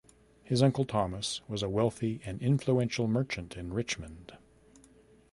His uncle Thomas was a wealthy and influential merchant in Richmond.